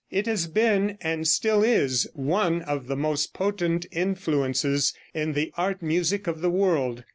It has been, and still is, one of the most potent influences in the art music of the world.